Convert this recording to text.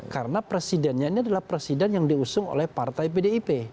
karena presidennya ini adalah presiden yang diusung oleh partai pdip